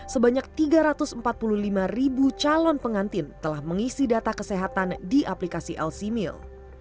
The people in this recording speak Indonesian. sebanyak tiga ratus empat puluh lima ribu calon pengantin telah mengisi data kesehatan di aplikasi lcmil